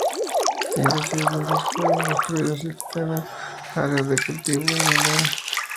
Cientos de viviendas fueron destruidas, y extensas áreas de cultivo se inundaron.